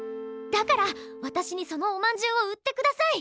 だから私にそのおまんじゅうを売ってください！